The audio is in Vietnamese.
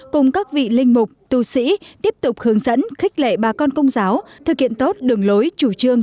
cùng các vị linh mục tu sĩ tiếp tục hướng dẫn khích lệ bà con công giáo thực hiện tốt đường lối chủ trương